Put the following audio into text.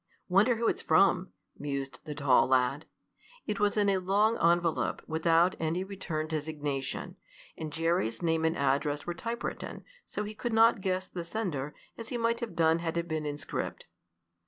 "Wonder who it's from," mused the tall lad. It was in a long envelope, without any return designation, and Jerry's name and address were typewritten, so he could not guess the sender, as he might have done had it been in script.